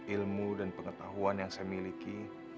ilmu dan pengetahuan yang saya miliki